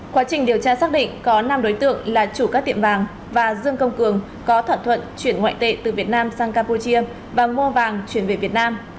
quá trình điều tra xác định có năm đối tượng là chủ các tiệm vàng và dương công cường có thỏa thuận chuyển ngoại tệ từ việt nam sang campuchia và mua vàng chuyển về việt nam